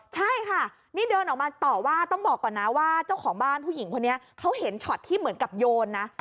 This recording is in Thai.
ใช่ค่ะนี่เดินออกมาต่อว่าต้องบอกก่อนนะว่าเจ้าของบ้านผู้หญิงคนนี้เขาเห็นช็อตที่เหมือนกับโยนนะ